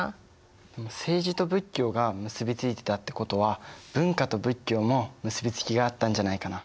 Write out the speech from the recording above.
政治と仏教が結び付いてたってことは文化と仏教も結び付きがあったんじゃないかな。